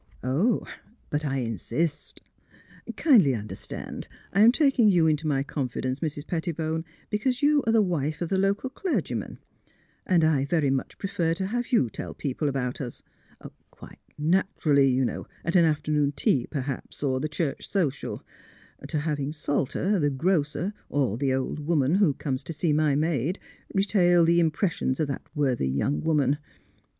'' Oh ! But I insist. Kindly understand that I am taking you into my confidence, Mrs. Pettibone, because you are the wife of the local clergyman; and I very much prefer to have you tell people about us — quite naturally, you know, at an after noon tea perhaps, or a church social — to having Salter, the grocer, or the old woman who comes to see my maid, retail the impressions of that worthy young woman.